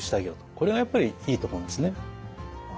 これがやっぱりいいと思うんですね。